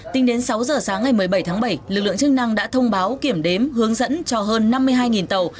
tính đến sáu giờ sáng ngày một mươi bảy tháng bảy lực lượng chức năng đã thông báo kiểm đếm hướng dẫn cho hơn năm mươi hai tàu